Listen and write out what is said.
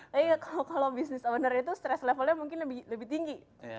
tapi kalau bisnis owner itu stress levelnya mungkin lebih tinggi